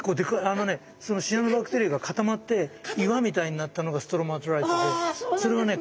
あのねそのシアノバクテリアが固まって岩みたいになったのがストロマトライトでそれはね